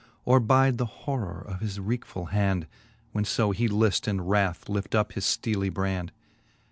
Or bide the horror of his wreakfuU hand, When fo he lift in wrath lift up his fteely brand, IX.